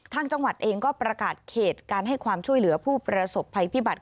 ทางจังหวัดเองก็ประกาศเขตการให้ความช่วยเหลือผู้ประสบภัยพิบัติ